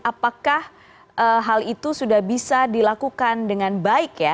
apakah hal itu sudah bisa dilakukan dengan baik ya